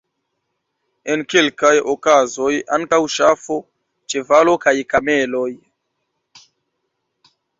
En kelkaj okazoj ankaŭ ŝafo, ĉevalo kaj kameloj.